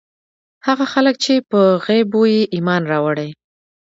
هغه خلک چې په غيبو ئې ايمان راوړی